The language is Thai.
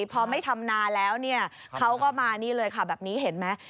พอไม่ทำนาแล้วเนี่ยเขาก็มานี่เลยค่ะแบบนี้เห็นไหม